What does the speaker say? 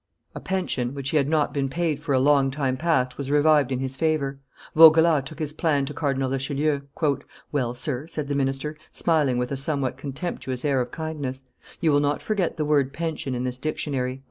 A pension, which he had, not been paid for a long time past was revived in his favor. Vaugelas took his plan to Cardinal Richelieu. "Well, sir," said the minister, smiling with a somewhat contemptuous air of kindness, "you will not forget the word pension in this Dictionary."